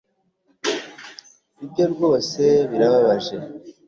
Nibyo rwose birababaje